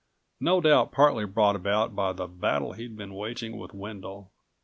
no doubt partly brought about by the battle he'd been waging with Wendel.